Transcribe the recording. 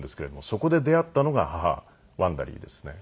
そこで出会ったのが母ワンダリーですね。